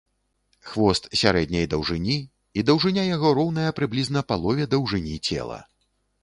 Хвост сярэдняй даўжыні, і даўжыня яго роўная прыблізна палове даўжыні цела.